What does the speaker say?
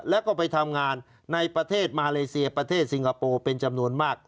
แล้วก็ไปทำงานในประเทศมาเลเซียประเทศสิงคโปร์เป็นจำนวนมาก